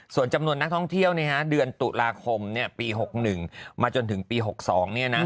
ส่วนจำนวนนักท่องเที่ยวเดือนตุลาคมปี๖๑มาจนถึงปี๖๒เนี่ยนะ